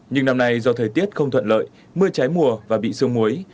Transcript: nhưng năm nay do thời tiết không thuận lợi mưa trái mùa và bị sương muối